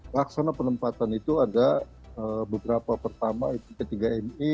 laksana penempatan itu ada beberapa pertama itu p tiga mi